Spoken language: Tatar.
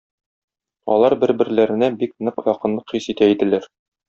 Алар бер-берләренә бик нык якынлык хис итә иделәр.